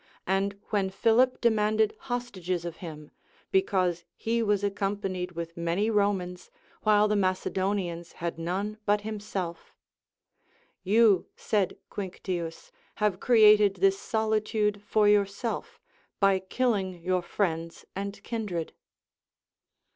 And when Philip demanded hostages of him, because he was accompanied Avitli many Romans while the Macedonians had none but himself; You, said Quinctius, haA^e created this solitude for yourself, by killing your friends and kin dred.